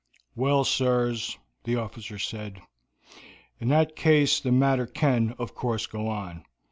"Well, sirs," the officer said, "in that case the matter can, of course, go on.